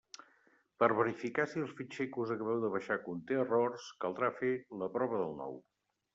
Per a verificar si el fitxer que us acabeu de baixar conté errors, caldrà “fer la prova del nou”.